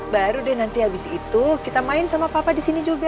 baru deh nanti abis itu kita main sama papa disini juga